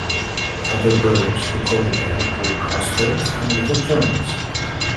Other birds recorded there include crossbills and little terns.